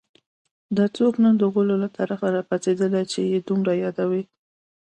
دا څوک نن د غولو له طرفه راپاڅېدلي چې یې دومره یادوي